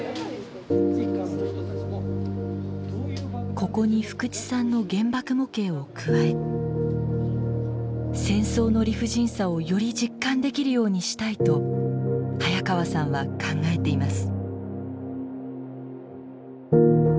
ここに福地さんの原爆模型を加え戦争の理不尽さをより実感できるようにしたいと早川さんは考えています。